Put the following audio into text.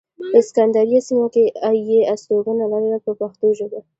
په سکندریه سیمه کې یې استوګنه لرله په پښتو ژبه.